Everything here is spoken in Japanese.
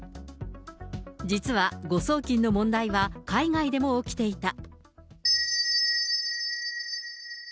実は誤送金の問題は海外でも起きていた。